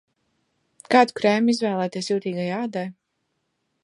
Kādu krēmu izvēlēties jutīgai ādai?